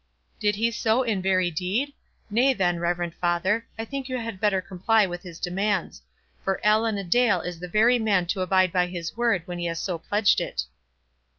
"Did he so in very deed? Nay, then, reverend father, I think you had better comply with his demands—for Allan a Dale is the very man to abide by his word when he has so pledged it."